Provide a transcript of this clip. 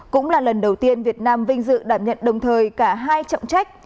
cũng là lần đầu tiên việt nam vinh dự đảm nhận đồng thời cả hai trọng trách